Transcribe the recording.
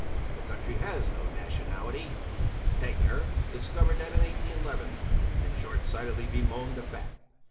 The country has no nationality; Tegnér discovered that in 1811, and short sightedly bemoaned the fact.